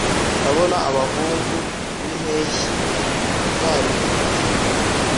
ndabona abahungu bimpeshyi barimbutse